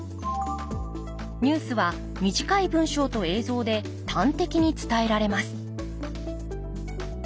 ニュースは短い文章と映像で端的に伝えられます